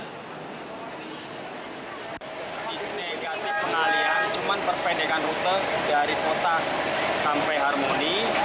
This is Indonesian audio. ini negatif pengalihan cuma perpedekan rute dari kota sampai harmoni